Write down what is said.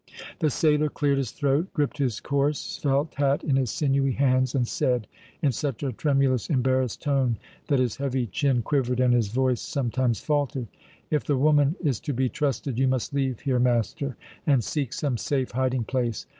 The sailor cleared his throat, gripped his coarse felt hat in his sinewy hands, and said, in such a tremulous, embarrassed tone that his heavy chin quivered and his voice sometimes faltered: "If the woman is to be trusted, you must leave here, master, and seek some safe hiding place.